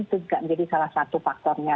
itu juga jadi salah satu faktornya